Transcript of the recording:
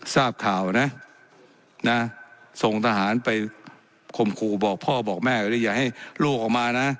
สาบครับอะไรส่งทหารไปคมครูบอกพ่อบอกแม่อย่าให้ลูกออกมานะ